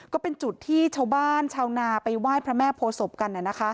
ก็เป็นจุดที่ชาวบ้านชาวนาไปไหว้พระแม่โพศพกัน